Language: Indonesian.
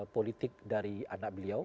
politik dari anak beliau